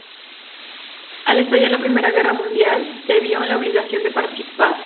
Al estallar la Primera Guerra Mundial, se vio en la obligación de participar.